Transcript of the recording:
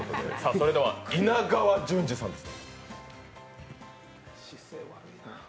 それでは「稲」川淳二さんです。